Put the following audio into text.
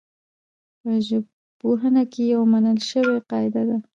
په ژبپوهنه کي يوه منل سوې قاعده ده.